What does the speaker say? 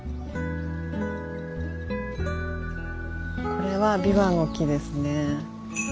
これはビワの木ですね。